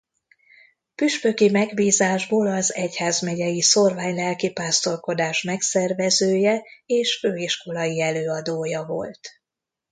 Püspöki megbízásból az egyházmegyei szórvány-lelkipásztorkodás megszervezője és főiskolai előadója volt.